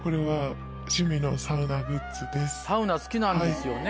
サウナ好きなんですよね。